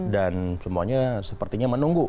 dan semuanya sepertinya menunggu